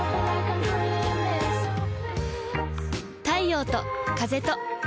太陽と風と